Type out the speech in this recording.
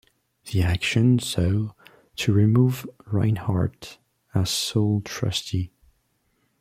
The action sought to remove Rinehart as sole trustee.